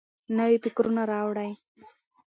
نوي فکرونه راوړئ.